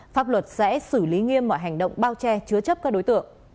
pháp luật sẽ xử lý nghiêm mọi hành động bao che chứa chấp các đối tượng